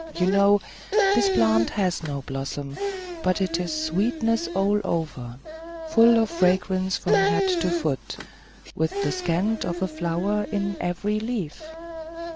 You know, this plant has no blossom; but it is sweetness all over, full of fragrance from head to foot, with the scent of a flower in every leaf.